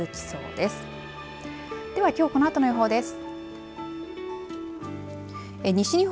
ではきょうこのあとの予報です。